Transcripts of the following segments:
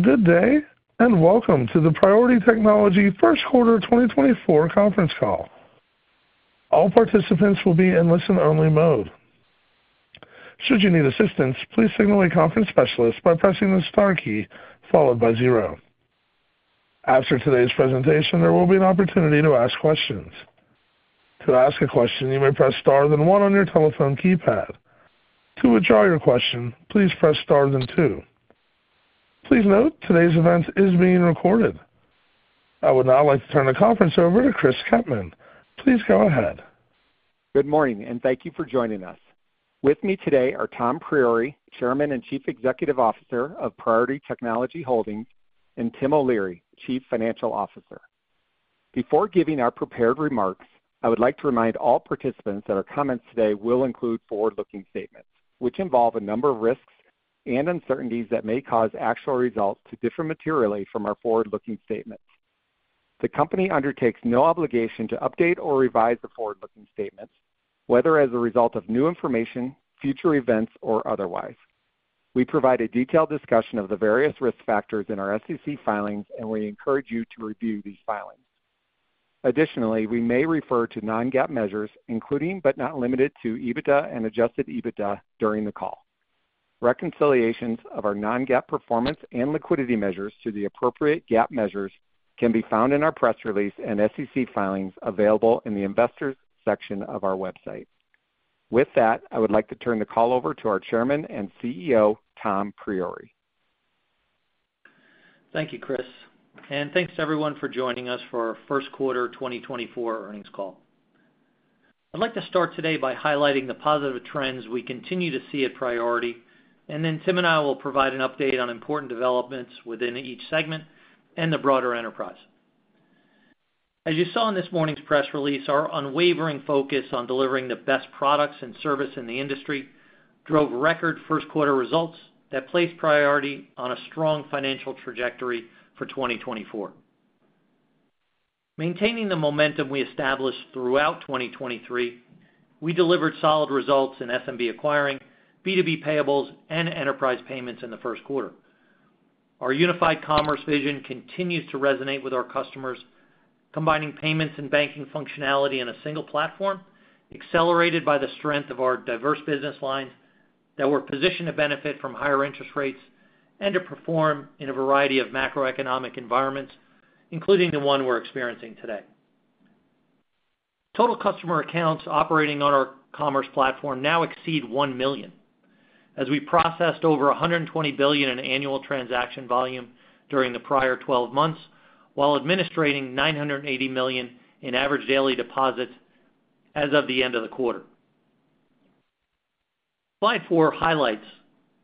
Good day, and welcome to the Priority Technology First Quarter 2024 Conference Call. All participants will be in listen-only mode. Should you need assistance, please signal a conference specialist by pressing the star key followed by zero. After today's presentation, there will be an opportunity to ask questions. To ask a question, you may press star, then 1 on your telephone keypad. To withdraw your question, please press star, then two. Please note, today's event is being recorded. I would now like to turn the conference over to Chris Kettmann. Please go ahead. Good morning, and thank you for joining us. With me today are Tom Priori, Chairman and Chief Executive Officer of Priority Technology Holdings, and Tim O'Leary, Chief Financial Officer. Before giving our prepared remarks, I would like to remind all participants that our comments today will include forward-looking statements, which involve a number of risks and uncertainties that may cause actual results to differ materially from our forward-looking statements. The company undertakes no obligation to update or revise the forward-looking statements, whether as a result of new information, future events, or otherwise. We provide a detailed discussion of the various risk factors in our SEC filings, and we encourage you to review these filings. Additionally, we may refer to non-GAAP measures, including, but not limited to, EBITDA and adjusted EBITDA during the call. Reconciliations of our non-GAAP performance and liquidity measures to the appropriate GAAP measures can be found in our press release and SEC filings available in the Investors section of our website. With that, I would like to turn the call over to our Chairman and CEO, Tom Priori. Thank you, Chris, and thanks to everyone for joining us for our first quarter 2024 earnings call. I'd like to start today by highlighting the positive trends we continue to see at Priority, and then Tim and I will provide an update on important developments within each segment and the broader enterprise. As you saw in this morning's press release, our unwavering focus on delivering the best products and service in the industry drove record first quarter results that place Priority on a strong financial trajectory for 2024. Maintaining the momentum we established throughout 2023, we delivered solid results in SMB acquiring, B2B payables, and enterprise payments in the first quarter. Our unified commerce vision continues to resonate with our customers, combining payments and banking functionality in a single platform, accelerated by the strength of our diverse business lines that were positioned to benefit from higher interest rates and to perform in a variety of macroeconomic environments, including the one we're experiencing today. Total customer accounts operating on our commerce platform now exceed 1 million, as we processed over $120 billion in annual transaction volume during the prior twelve months, while administrating $980 million in average daily deposits as of the end of the quarter. Slide 4 highlights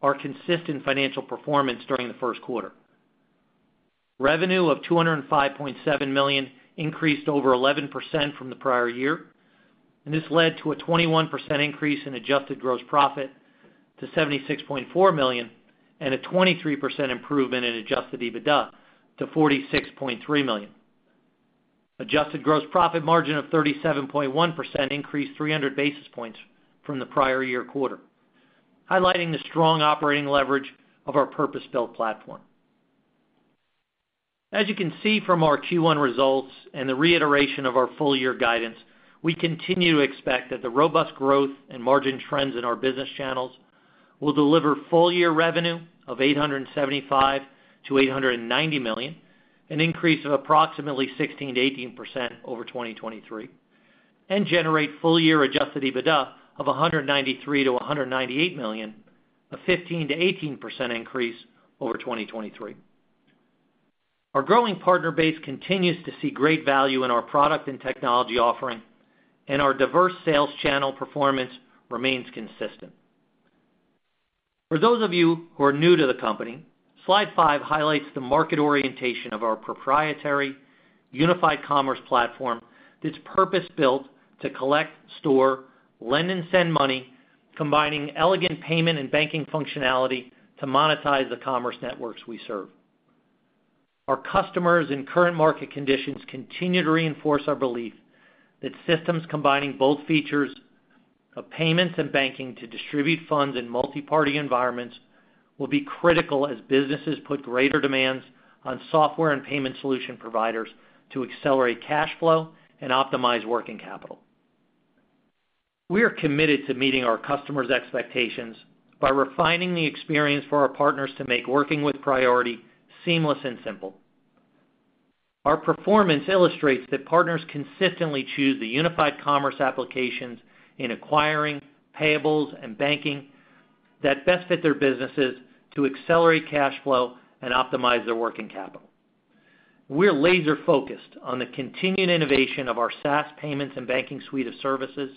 our consistent financial performance during the first quarter. Revenue of $205.7 million increased over 11% from the prior year, and this led to a 21% increase in adjusted gross profit to $76.4 million and a 23% improvement in Adjusted EBITDA to $46.3 million. Adjusted gross profit margin of 37.1% increased 300 basis points from the prior year quarter, highlighting the strong operating leverage of our purpose-built platform. As you can see from our Q1 results and the reiteration of our full-year guidance, we continue to expect that the robust growth and margin trends in our business channels will deliver full-year revenue of $875 million-$890 million, an increase of approximately 16%-18% over 2023, and generate full-year Adjusted EBITDA of $193 million-$198 million, a 15%-18% increase over 2023. Our growing partner base continues to see great value in our product and technology offering, and our diverse sales channel performance remains consistent. For those of you who are new to the company, slide 5 highlights the market orientation of our proprietary unified commerce platform that's purpose-built to collect, store, lend, and send money, combining elegant payment and banking functionality to monetize the commerce networks we serve. Our customers and current market conditions continue to reinforce our belief that systems combining both features of payments and banking to distribute funds in multiparty environments will be critical as businesses put greater demands on software and payment solution providers to accelerate cash flow and optimize working capital. We are committed to meeting our customers' expectations by refining the experience for our partners to make working with Priority seamless and simple. Our performance illustrates that partners consistently choose the unified commerce applications in acquiring, payables, and banking that best fit their businesses to accelerate cash flow and optimize their working capital. We're laser-focused on the continued innovation of our SaaS payments and banking suite of services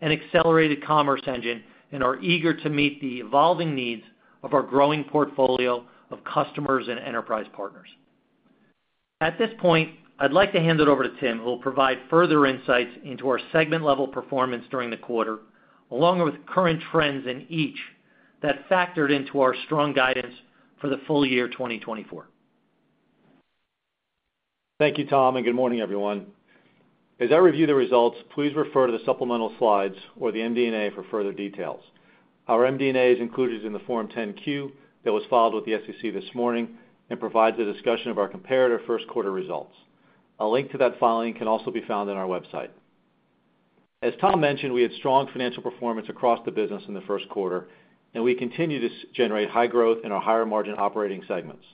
and Accelerated Commerce Engine and are eager to meet the evolving needs of our growing portfolio of customers and enterprise partners. At this point, I'd like to hand it over to Tim, who will provide further insights into our segment-level performance during the quarter, along with current trends in each that factored into our strong guidance for the full year 2024.... Thank you, Tom, and good morning, everyone. As I review the results, please refer to the supplemental slides or the MD&A for further details. Our MD&A is included in the Form 10-Q that was filed with the SEC this morning and provides a discussion of our comparator first quarter results. A link to that filing can also be found on our website. As Tom mentioned, we had strong financial performance across the business in the first quarter, and we continue to generate high growth in our higher margin operating segments.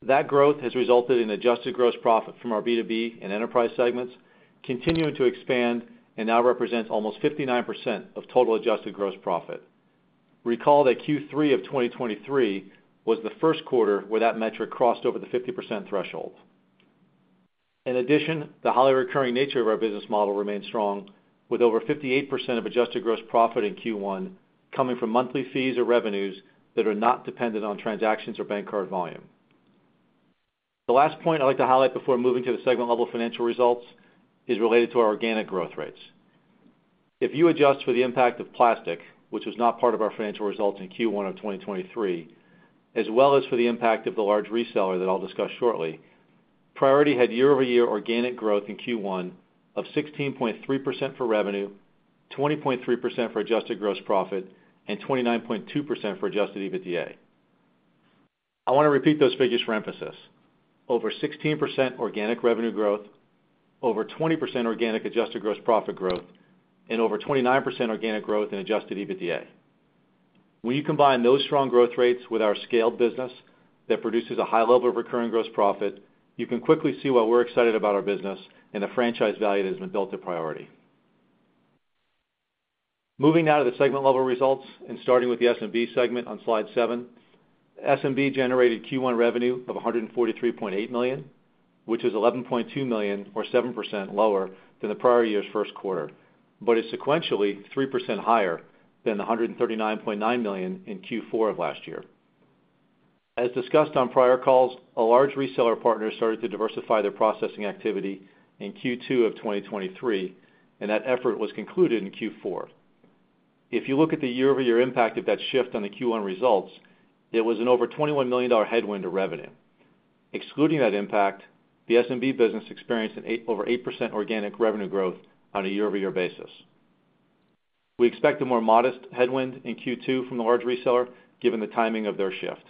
That growth has resulted in adjusted gross profit from our B2B and enterprise segments, continuing to expand and now represents almost 59% of total adjusted gross profit. Recall that Q3 of 2023 was the first quarter where that metric crossed over the 50% threshold. In addition, the highly recurring nature of our business model remains strong, with over 58% of adjusted gross profit in Q1 coming from monthly fees or revenues that are not dependent on transactions or bank card volume. The last point I'd like to highlight before moving to the segment level financial results is related to our organic growth rates. If you adjust for the impact of Plastiq, which was not part of our financial results in Q1 of 2023, as well as for the impact of the large reseller that I'll discuss shortly, Priority had year-over-year organic growth in Q1 of 16.3% for revenue, 20.3% for adjusted gross profit, and 29.2% for Adjusted EBITDA. I want to repeat those figures for emphasis. Over 16% organic revenue growth, over 20% organic adjusted gross profit growth, and over 29% organic growth in Adjusted EBITDA. When you combine those strong growth rates with our scaled business that produces a high level of recurring gross profit, you can quickly see why we're excited about our business and the franchise value that has been built to Priority. Moving now to the segment level results and starting with the SMB segment on Slide 7. SMB generated Q1 revenue of $143.8 million, which is $11.2 million or 7% lower than the prior year's first quarter, but is sequentially 3% higher than the $139.9 million in Q4 of last year. As discussed on prior calls, a large reseller partner started to diversify their processing activity in Q2 of 2023, and that effort was concluded in Q4. If you look at the year-over-year impact of that shift on the Q1 results, it was an over $21 million headwind to revenue. Excluding that impact, the SMB business experienced over 8% organic revenue growth on a year-over-year basis. We expect a more modest headwind in Q2 from the large reseller, given the timing of their shift.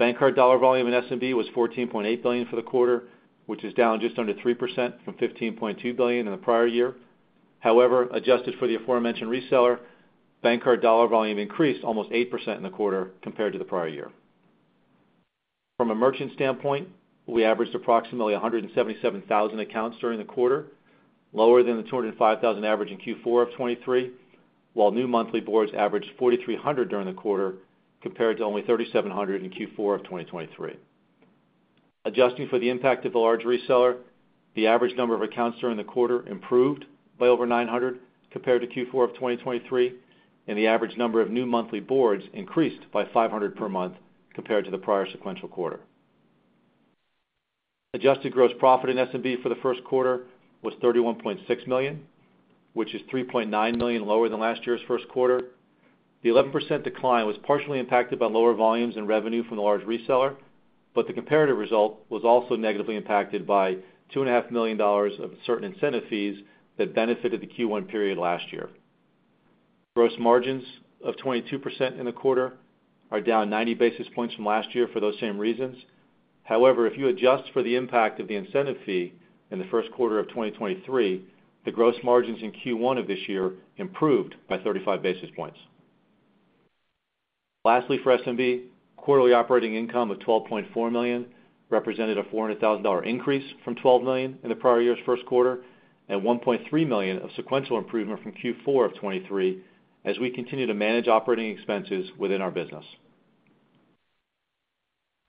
Bank card dollar volume in SMB was $14.8 billion for the quarter, which is down just under 3% from $15.2 billion in the prior year. However, adjusted for the aforementioned reseller, bank card dollar volume increased almost 8% in the quarter compared to the prior year. From a merchant standpoint, we averaged approximately 177,000 accounts during the quarter, lower than the 205,000 average in Q4 of 2023, while new monthly boards averaged 4,300 during the quarter, compared to only 3,700 in Q4 of 2023. Adjusting for the impact of the large reseller, the average number of accounts during the quarter improved by over 900 compared to Q4 of 2023, and the average number of new monthly boards increased by 500 per month compared to the prior sequential quarter. Adjusted gross profit in SMB for the first quarter was $31.6 million, which is $3.9 million lower than last year's first quarter. The 11% decline was partially impacted by lower volumes and revenue from the large reseller, but the comparative result was also negatively impacted by $2.5 million of certain incentive fees that benefited the Q1 period last year. Gross margins of 22% in the quarter are down 90 basis points from last year for those same reasons. However, if you adjust for the impact of the incentive fee in the first quarter of 2023, the gross margins in Q1 of this year improved by 35 basis points. Lastly, for SMB, quarterly operating income of $12.4 million represented a $400,000 increase from $12 million in the prior year's first quarter and $1.3 million of sequential improvement from Q4 of 2023 as we continue to manage operating expenses within our business.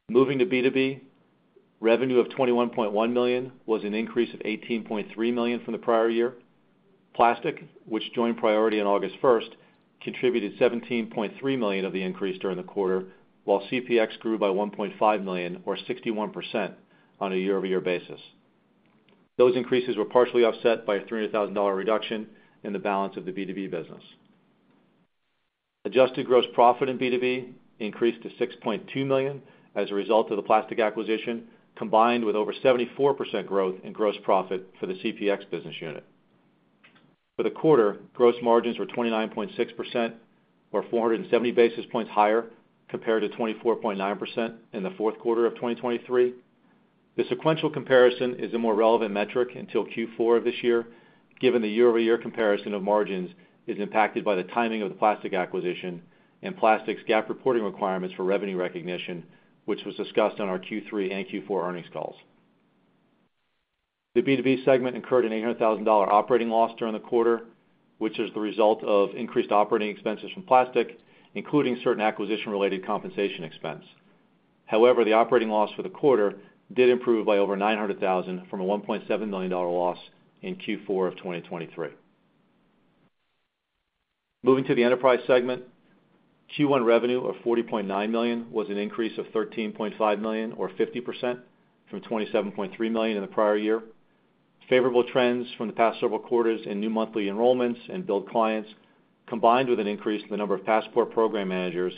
Moving to B2B, revenue of $21.1 million was an increase of $18.3 million from the prior year. Plastiq, which joined Priority on August 1, contributed $17.3 million of the increase during the quarter, while CPX grew by $1.5 million or 61% on a year-over-year basis. Those increases were partially offset by a $300,000 reduction in the balance of the B2B business. Adjusted gross profit in B2B increased to $6.2 million as a result of the Plastiq acquisition, combined with over 74% growth in gross profit for the CPX business unit. For the quarter, gross margins were 29.6% or 470 basis points higher compared to 24.9% in the fourth quarter of 2023. The sequential comparison is a more relevant metric until Q4 of this year, given the year-over-year comparison of margins is impacted by the timing of the Plastiq acquisition and Plastiq's GAAP reporting requirements for revenue recognition, which was discussed on our Q3 and Q4 earnings calls. The B2B segment incurred an $800,000 operating loss during the quarter, which is the result of increased operating expenses from Plastiq, including certain acquisition-related compensation expense. However, the operating loss for the quarter did improve by over $900,000 from a $1.7 million loss in Q4 of 2023. Moving to the enterprise segment. Q1 revenue of $40.9 million was an increase of $13.5 million or 50% from $27.3 million in the prior year.... Favorable trends from the past several quarters in new monthly enrollments and build clients, combined with an increase in the number of Passport program managers,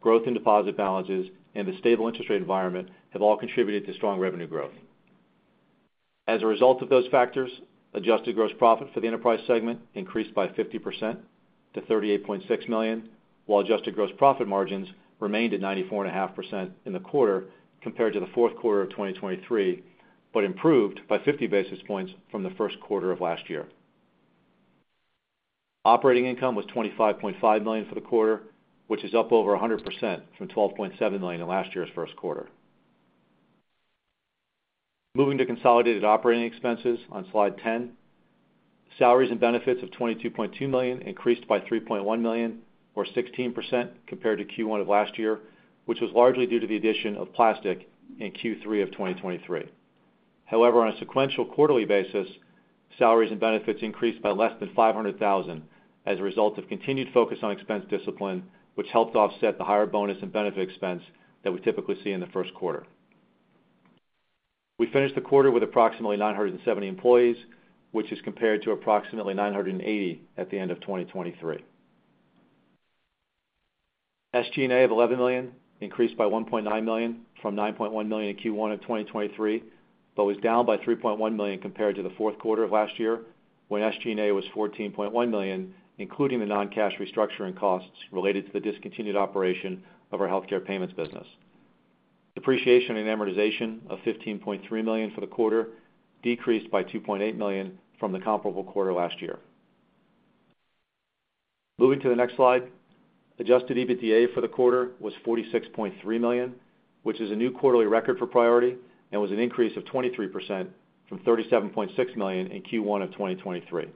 growth in deposit balances, and the stable interest rate environment have all contributed to strong revenue growth. As a result of those factors, adjusted gross profit for the enterprise segment increased by 50% to $38.6 million, while adjusted gross profit margins remained at 94.5% in the quarter compared to the fourth quarter of 2023, but improved by 50 basis points from the first quarter of last year. Operating income was $25.5 million for the quarter, which is up over 100% from $12.7 million in last year's first quarter. Moving to consolidated operating expenses on Slide 10, salaries and benefits of $22.2 million increased by $3.1 million, or 16% compared to Q1 of last year, which was largely due to the addition of Plastiq in Q3 of 2023. However, on a sequential quarterly basis, salaries and benefits increased by less than $500,000 as a result of continued focus on expense discipline, which helped offset the higher bonus and benefit expense that we typically see in the first quarter. We finished the quarter with approximately 970 employees, which is compared to approximately 980 at the end of 2023. SG&A of $11 million increased by $1.9 million from $9.1 million in Q1 of 2023, but was down by $3.1 million compared to the fourth quarter of last year, when SG&A was $14.1 million, including the non-cash restructuring costs related to the discontinued operation of our healthcare payments business. Depreciation and amortization of $15.3 million for the quarter decreased by $2.8 million from the comparable quarter last year. Moving to the next slide, Adjusted EBITDA for the quarter was $46.3 million, which is a new quarterly record for Priority and was an increase of 23% from $37.6 million in Q1 of 2023.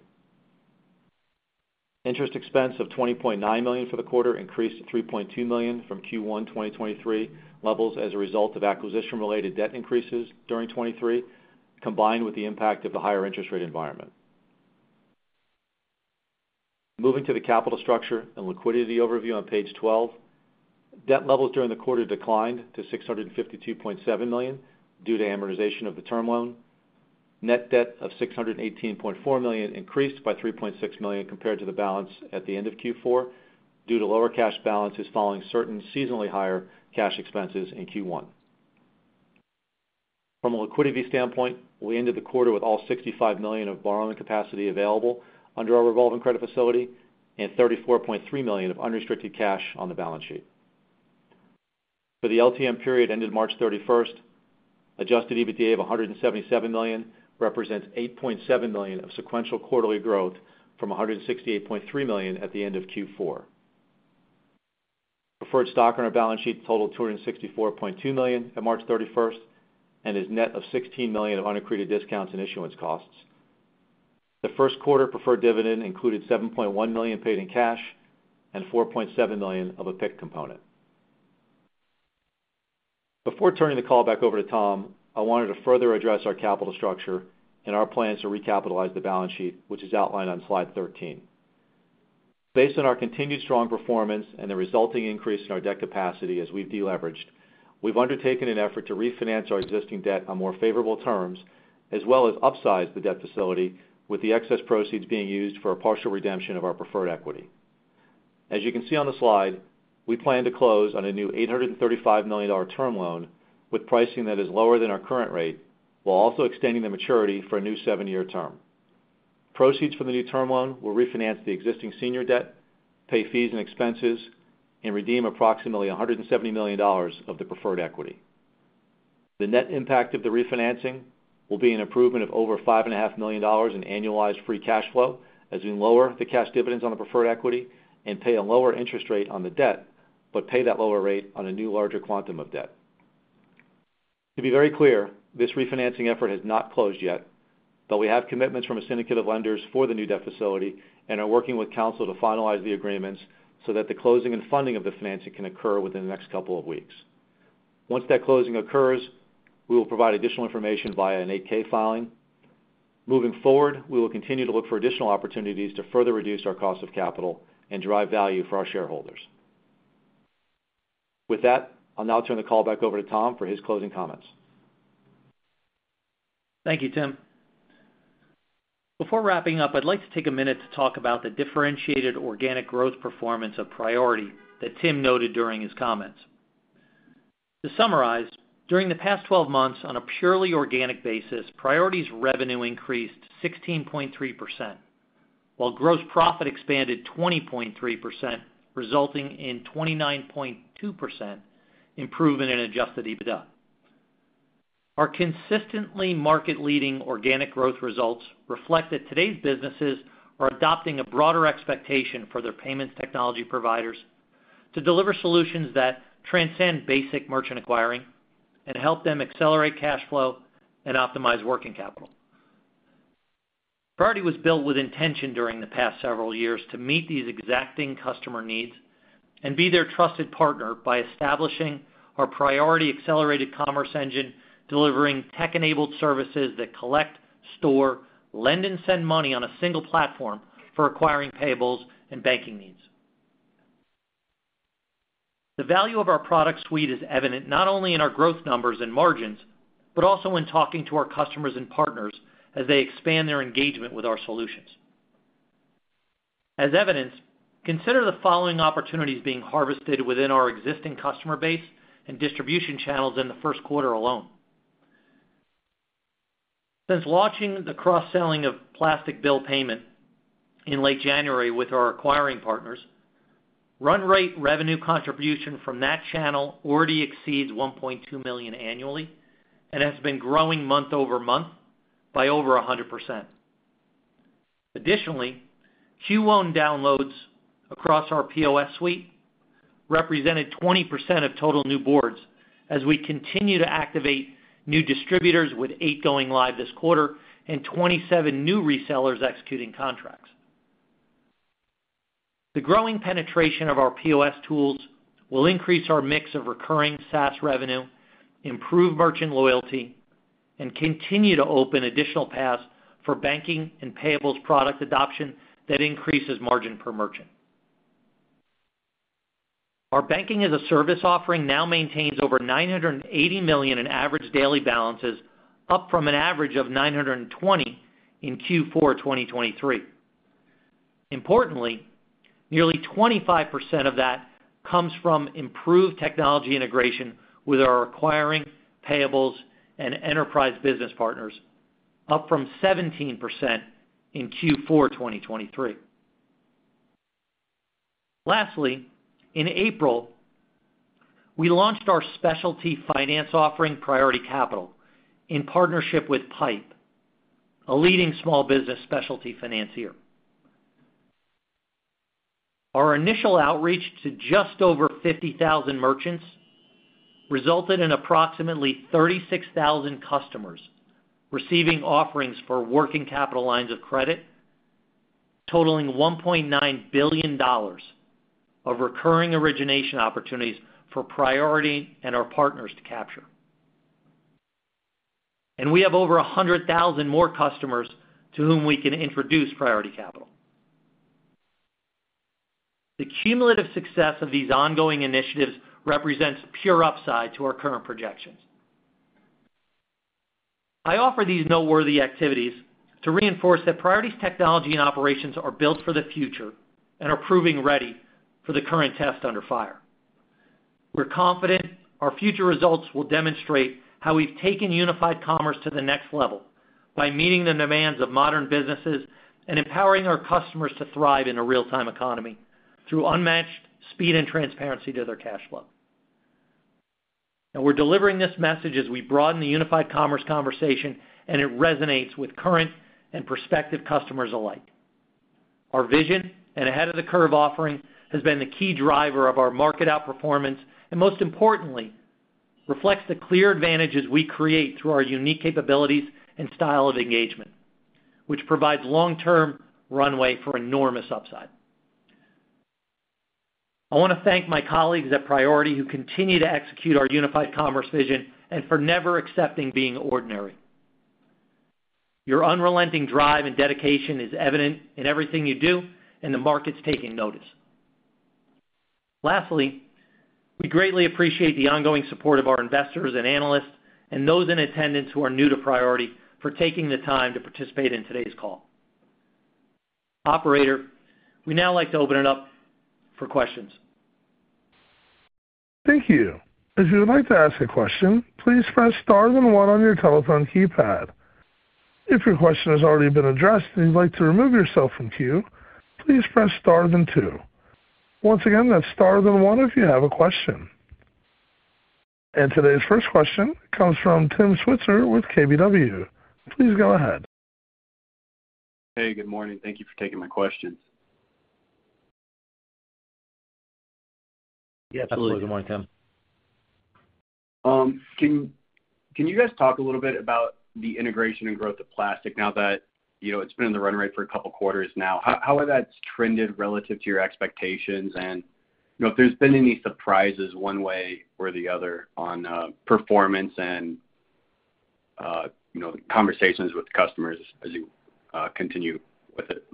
Interest expense of $20.9 million for the quarter increased to $3.2 million from Q1 2023 levels as a result of acquisition-related debt increases during 2023, combined with the impact of the higher interest rate environment. Moving to the capital structure and liquidity overview on page 12, debt levels during the quarter declined to $652.7 million due to amortization of the term loan. Net debt of $618.4 million increased by $3.6 million compared to the balance at the end of Q4 due to lower cash balances following certain seasonally higher cash expenses in Q1. From a liquidity standpoint, we ended the quarter with all $65 million of borrowing capacity available under our revolving credit facility and $34.3 million of unrestricted cash on the balance sheet. For the LTM period ended March 31, Adjusted EBITDA of $177 million represents $8.7 million of sequential quarterly growth from $168.3 million at the end of Q4. Preferred stock on our balance sheet totaled $264.2 million at March 31 and is net of $16 million of unamortized discounts and issuance costs. The first quarter preferred dividend included $7.1 million paid in cash and $4.7 million of a PIK component. Before turning the call back over to Tom, I wanted to further address our capital structure and our plans to recapitalize the balance sheet, which is outlined on Slide 13. Based on our continued strong performance and the resulting increase in our debt capacity as we've deleveraged, we've undertaken an effort to refinance our existing debt on more favorable terms, as well as upsize the debt facility, with the excess proceeds being used for a partial redemption of our preferred equity. As you can see on the slide, we plan to close on a new $835 million term loan with pricing that is lower than our current rate, while also extending the maturity for a new 7-year term. Proceeds from the new term loan will refinance the existing senior debt, pay fees and expenses, and redeem approximately $170 million of the preferred equity. The net impact of the refinancing will be an improvement of over $5.5 million in annualized free cash flow, as we lower the cash dividends on the preferred equity and pay a lower interest rate on the debt, but pay that lower rate on a new, larger quantum of debt. To be very clear, this refinancing effort has not closed yet, but we have commitments from a syndicate of lenders for the new debt facility and are working with counsel to finalize the agreements so that the closing and funding of the financing can occur within the next couple of weeks. Once that closing occurs, we will provide additional information via an 8-K filing. Moving forward, we will continue to look for additional opportunities to further reduce our cost of capital and drive value for our shareholders. With that, I'll now turn the call back over to Tom for his closing comments. Thank you, Tim. Before wrapping up, I'd like to take a minute to talk about the differentiated organic growth performance of Priority that Tim noted during his comments. To summarize, during the past 12 months, on a purely organic basis, Priority's revenue increased 16.3%, while gross profit expanded 20.3%, resulting in 29.2% improvement in Adjusted EBITDA. Our consistently market-leading organic growth results reflect that today's businesses are adopting a broader expectation for their payments technology providers to deliver solutions that transcend basic merchant acquiring and help them accelerate cash flow and optimize working capital. Priority was built with intention during the past several years to meet these exacting customer needs and be their trusted partner by establishing our Priority Accelerated Commerce Engine, delivering tech-enabled services that collect, store, lend, and send money on a single platform for acquiring, payables, and banking needs. The value of our product suite is evident not only in our growth numbers and margins, but also in talking to our customers and partners as they expand their engagement with our solutions. As evidenced, consider the following opportunities being harvested within our existing customer base and distribution channels in the first quarter alone. Since launching the cross-selling of Plastiq bill payment in late January with our acquiring partners, run rate revenue contribution from that channel already exceeds $1.2 million annually and has been growing month-over-month by over 100%. Additionally, Q1 downloads across our POS suite represented 20% of total new boards as we continue to activate new distributors, with 8 going live this quarter and 27 new resellers executing contracts. The growing penetration of our POS tools will increase our mix of recurring SaaS revenue, improve merchant loyalty, and continue to open additional paths for banking and payables product adoption that increases margin per merchant. Our banking-as-a-service offering now maintains over $980 million in average daily balances, up from an average of $920 million in Q4 2023. Importantly, nearly 25% of that comes from improved technology integration with our acquiring, payables, and enterprise business partners, up from 17% in Q4 2023. Lastly, in April, we launched our specialty finance offering, Priority Capital, in partnership with Pipe, a leading small business specialty financier. Our initial outreach to just over 50,000 merchants resulted in approximately 36,000 customers receiving offerings for working capital lines of credit, totaling $1.9 billion of recurring origination opportunities for Priority and our partners to capture. We have over 100,000 more customers to whom we can introduce Priority Capital. The cumulative success of these ongoing initiatives represents pure upside to our current projections. I offer these noteworthy activities to reinforce that Priority's technology and operations are built for the future and are proving ready for the current test under fire. We're confident our future results will demonstrate how we've taken unified commerce to the next level by meeting the demands of modern businesses and empowering our customers to thrive in a real-time economy through unmatched speed and transparency to their cash flow. Now we're delivering this message as we broaden the unified commerce conversation, and it resonates with current and prospective customers alike. Our vision and ahead-of-the-curve offering has been the key driver of our market outperformance, and most importantly, reflects the clear advantages we create through our unique capabilities and style of engagement, which provides long-term runway for enormous upside. I want to thank my colleagues at Priority who continue to execute our unified commerce vision and for never accepting being ordinary. Your unrelenting drive and dedication is evident in everything you do, and the market's taking notice. Lastly, we greatly appreciate the ongoing support of our investors and analysts and those in attendance who are new to Priority for taking the time to participate in today's call. Operator, we'd now like to open it up for questions. Thank you. If you would like to ask a question, please press star then one on your telephone keypad. If your question has already been addressed and you'd like to remove yourself from queue, please press star then two. Once again, that's star then one if you have a question. And today's first question comes from Tim Switzer with KBW. Please go ahead. Hey, good morning. Thank you for taking my questions. Yeah, absolutely. Good morning, Tim. Can you guys talk a little bit about the integration and growth of Plastiq now that, you know, it's been in the run rate for a couple of quarters now? How has that trended relative to your expectations`? And, you know, if there's been any surprises one way or the other on performance and, you know, conversations with customers as you continue with it.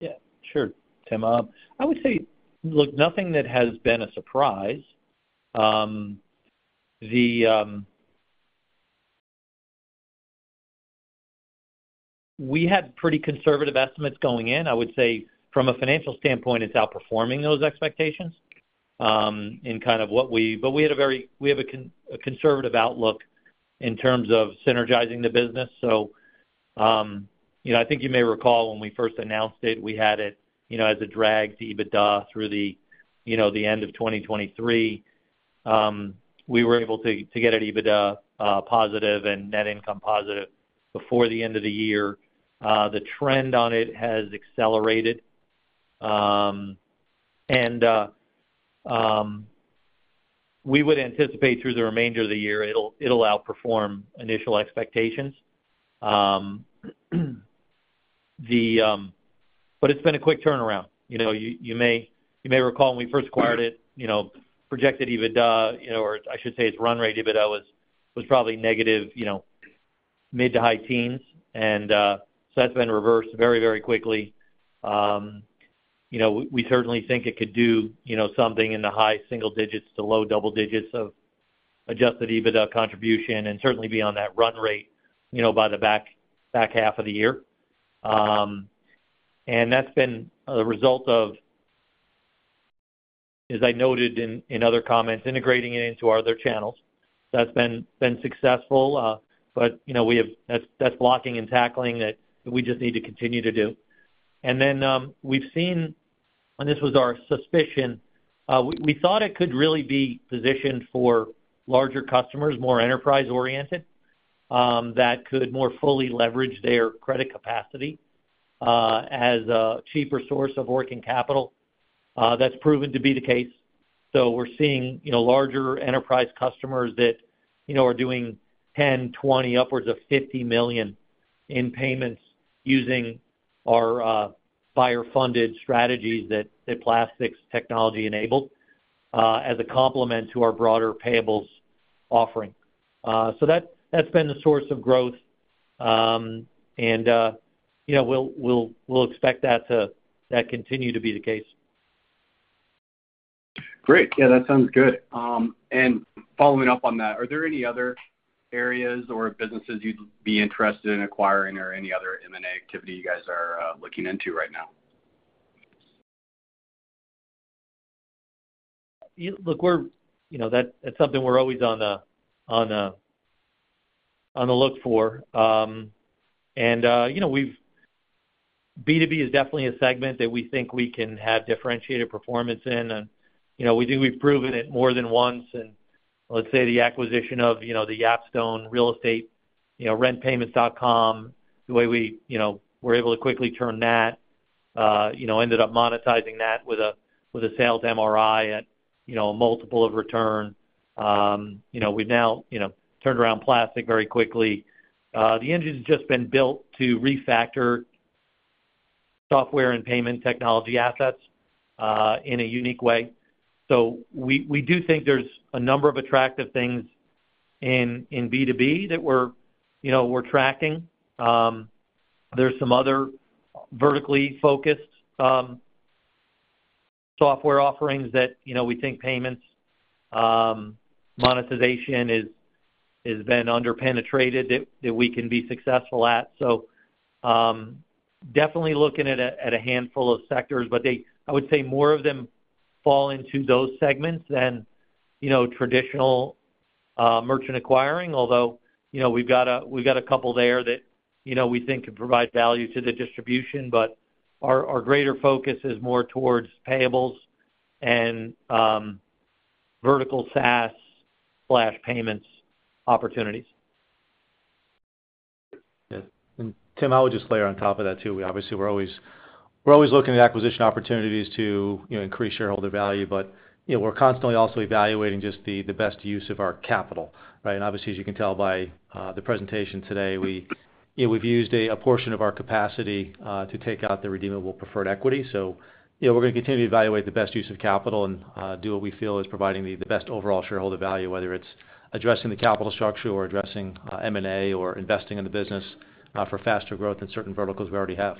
Yeah, sure, Tim. I would say, look, nothing that has been a surprise. We had pretty conservative estimates going in. I would say from a financial standpoint, it's outperforming those expectations in kind of what we—but we had a very—we have a conservative outlook in terms of synergizing the business. So, you know, I think you may recall when we first announced it, we had it, you know, as a drag to EBITDA through the end of 2023. We were able to get it EBITDA positive and net income positive before the end of the year. The trend on it has accelerated. And we would anticipate through the remainder of the year, it'll outperform initial expectations. But it's been a quick turnaround. You know, you may recall when we first acquired it, you know, projected EBITDA, you know, or I should say its run rate EBITDA was probably negative, you know-... mid to high teens, and, so that's been reversed very, very quickly. You know, we certainly think it could do, you know, something in the high single digits to low double digits of Adjusted EBITDA contribution, and certainly be on that run rate, you know, by the back half of the year. And that's been a result of, as I noted in other comments, integrating it into our other channels. That's been successful, but, you know, that's blocking and tackling that we just need to continue to do. And then, we've seen, and this was our suspicion, we thought it could really be positioned for larger customers, more enterprise-oriented, that could more fully leverage their credit capacity, as a cheaper source of working capital. That's proven to be the case. So we're seeing, you know, larger enterprise customers that, you know, are doing $10 million, $20 million, upwards of $50 million in payments using our buyer-funded strategies that Plastiq's technology enabled as a complement to our broader payables offering. So that, that's been the source of growth. And, you know, we'll expect that to continue to be the case. Great. Yeah, that sounds good. And following up on that, are there any other areas or businesses you'd be interested in acquiring or any other M&A activity you guys are looking into right now? Look, we're, you know, that's something we're always on the look for. And, you know, B2B is definitely a segment that we think we can have differentiated performance in, and, you know, we think we've proven it more than once in, let's say, the acquisition of, you know, the Yapstone Real Estate, you know, RentPayments.com. The way we, you know, were able to quickly turn that, you know, ended up monetizing that with a sale to MRI at, you know, a multiple of return. You know, we've now, you know, turned around Plastiq very quickly. The engine's just been built to refactor software and payment technology assets in a unique way. So we do think there's a number of attractive things in B2B that we're, you know, we're tracking. There's some other vertically focused software offerings that, you know, we think payments monetization is, has been under-penetrated, that we can be successful at. So, definitely looking at a handful of sectors, but they- I would say more of them fall into those segments than, you know, traditional merchant acquiring. Although, you know, we've got a couple there that, you know, we think could provide value to the distribution, but our greater focus is more towards payables and vertical SaaS/payments opportunities. Yeah, and Tim, I would just layer on top of that, too. We obviously, we're always, we're always looking at acquisition opportunities to, you know, increase shareholder value, but, you know, we're constantly also evaluating just the, the best use of our capital, right? And obviously, as you can tell by the presentation today, we, we've used a, a portion of our capacity to take out the redeemable preferred equity. So, you know, we're gonna continue to evaluate the best use of capital and do what we feel is providing the, the best overall shareholder value, whether it's addressing the capital structure or addressing M&A, or investing in the business for faster growth in certain verticals we already have.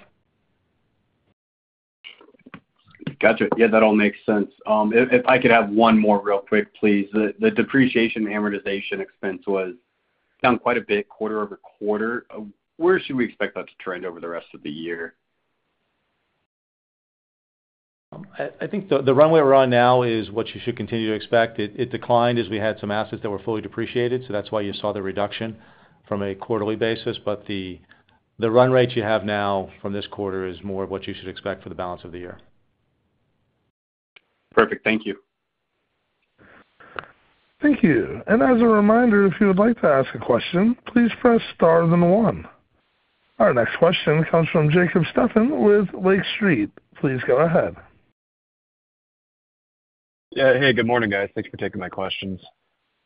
Gotcha. Yeah, that all makes sense. If I could have one more real quick, please. The depreciation and amortization expense was down quite a bit quarter-over-quarter. Where should we expect that to trend over the rest of the year? I think the runway we're on now is what you should continue to expect. It declined as we had some assets that were fully depreciated, so that's why you saw the reduction from a quarterly basis. But the run rate you have now from this quarter is more of what you should expect for the balance of the year. Perfect. Thank you. Thank you. As a reminder, if you would like to ask a question, please press star then one. Our next question comes from Jacob Steffen with Lake Street. Please go ahead. Yeah. Hey, good morning, guys. Thanks for taking my questions.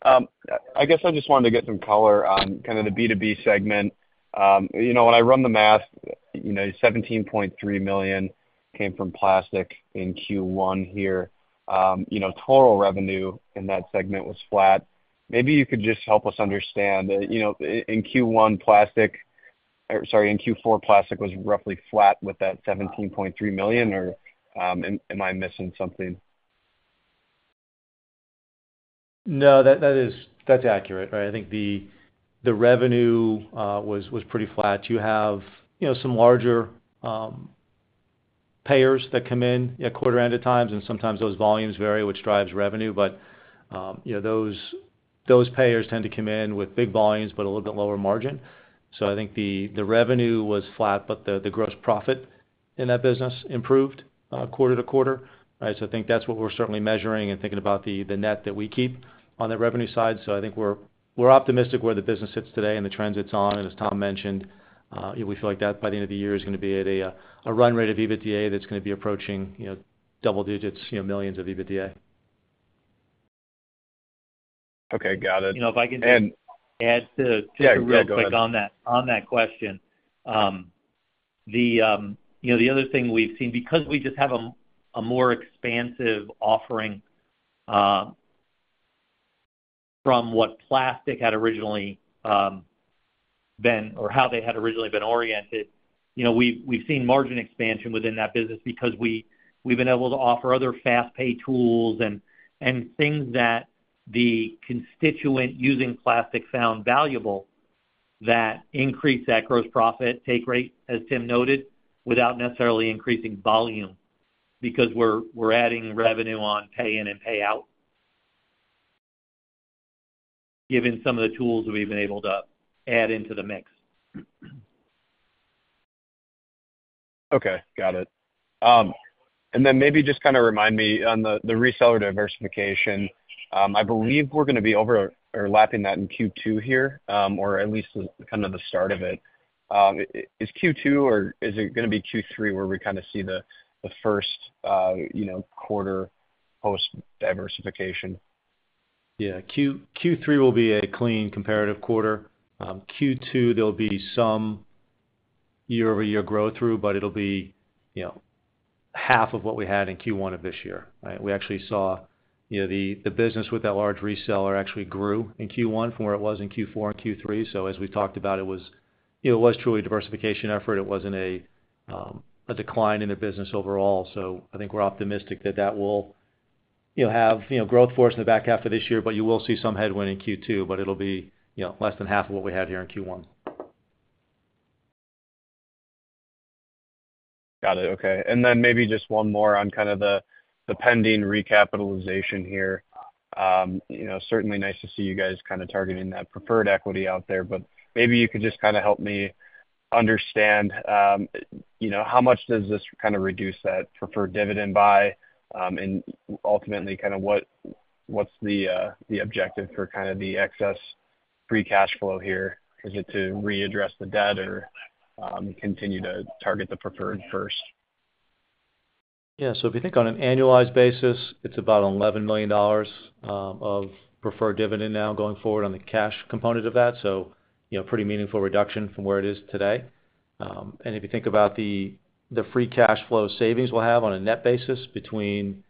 I guess I just wanted to get some color on kind of the B2B segment. You know, when I run the math, you know, $17.3 million came from Plastiq in Q1 here. You know, total revenue in that segment was flat. Maybe you could just help us understand, you know, in Q1, Plastiq—or sorry, in Q4, Plastiq was roughly flat with that $17.3 million, or, am I missing something? No, that's accurate, right? I think the revenue was pretty flat. You have, you know, some larger payers that come in at quarter-ended times, and sometimes those volumes vary, which drives revenue. But, you know, those payers tend to come in with big volumes, but a little bit lower margin. So I think the revenue was flat, but the gross profit in that business improved quarter to quarter, right? So I think that's what we're certainly measuring and thinking about the net that we keep on the revenue side. So I think we're optimistic where the business sits today and the trends it's on, and as Tom mentioned, we feel like that by the end of the year is gonna be at a run rate of EBITDA that's gonna be approaching, you know, double digits, you know, millions of EBITDA. Okay, got it. You know, if I can- And- -add to- Yeah, yeah. Go ahead. Real quick on that, on that question. The, you know, the other thing we've seen, because we just have a more expansive offering from what Plastiq had originally been or how they had originally been oriented, you know, we've seen margin expansion within that business because we've been able to offer other fast pay tools and things that the constituent using Plastiq found valuable that increase that gross profit take rate, as Tim noted, without necessarily increasing volume, because we're adding revenue on pay in and pay out, given some of the tools we've been able to add into the mix. Okay, got it. And then maybe just kinda remind me on the reseller diversification. I believe we're gonna be overlapping that in Q2 here, or at least kind of the start of it. Is Q2 or is it gonna be Q3 where we kinda see the first, you know, quarter post-diversification? Yeah. Q3 will be a clean, comparative quarter. Q2, there'll be some year-over-year growth through, but it'll be, you know, half of what we had in Q1 of this year, right? We actually saw, you know, the business with that large reseller actually grew in Q1 from where it was in Q4 and Q3. So as we talked about, it was, you know, it was truly a diversification effort. It wasn't a decline in the business overall. So I think we're optimistic that that will, you know, have, you know, growth for us in the back half of this year, but you will see some headwind in Q2, but it'll be, you know, less than half of what we had here in Q1. Got it. Okay. And then maybe just one more on kind of the pending recapitalization here. You know, certainly nice to see you guys kinda targeting that preferred equity out there, but maybe you could just kinda help me understand, you know, how much does this kinda reduce that preferred dividend by, and ultimately, kinda what, what's the objective for kinda the excess free cash flow here? Is it to address the debt or continue to target the preferred first? Yeah. So if you think on an annualized basis, it's about $11 million of preferred dividend now going forward on the cash component of that. So, you know, pretty meaningful reduction from where it is today. And if you think about the, the free cash flow savings we'll have on a net basis between,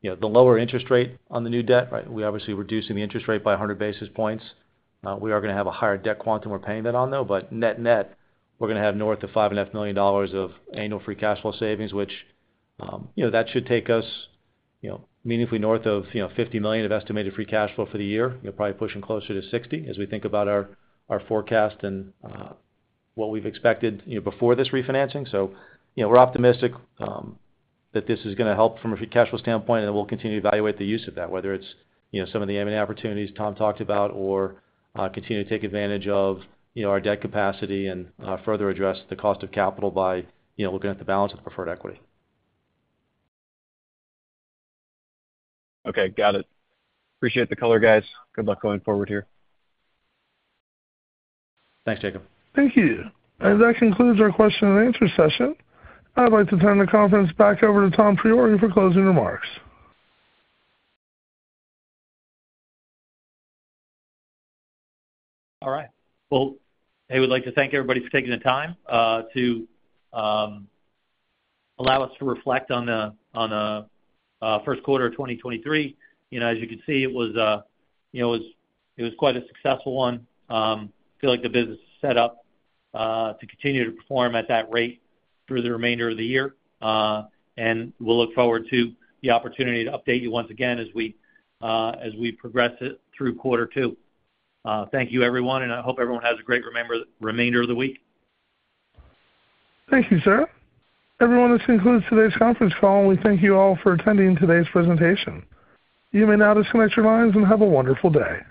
you know, the lower interest rate on the new debt, right? We're obviously reducing the interest rate by 100 basis points. We are gonna have a higher debt quantum we're paying that on, though, but net-net, we're gonna have north of $5.5 million of annual free cash flow savings, which, you know, that should take us, you know, meaningfully north of, you know, $50 million of estimated free cash flow for the year. We're probably pushing closer to 60 as we think about our forecast and what we've expected, you know, before this refinancing. So, you know, we're optimistic that this is gonna help from a free cash flow standpoint, and then we'll continue to evaluate the use of that, whether it's, you know, some of the M&A opportunities Tom talked about or continue to take advantage of, you know, our debt capacity and further address the cost of capital by, you know, looking at the balance of the preferred equity. Okay, got it. Appreciate the color, guys. Good luck going forward here. Thanks, Jacob. Thank you. That concludes our question and answer session. I'd like to turn the conference back over to Tom Priori for closing remarks. All right. Well, I would like to thank everybody for taking the time to allow us to reflect on the first quarter of 2023. You know, as you can see, it was quite a successful one. Feel like the business is set up to continue to perform at that rate through the remainder of the year, and we'll look forward to the opportunity to update you once again as we progress it through quarter two. Thank you, everyone, and I hope everyone has a great remainder of the week. Thank you, sir. Everyone, this concludes today's conference call, and we thank you all for attending today's presentation. You may now disconnect your lines, and have a wonderful day.